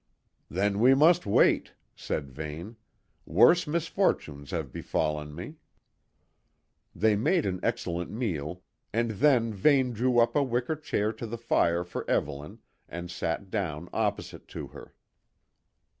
"Then we must wait," said Vane. "Worse misfortunes have befallen me." They made an excellent meal, and then Vane drew up a wicker chair to the fire for Evelyn and sat down opposite to her.